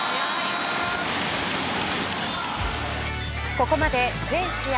ここまで全試合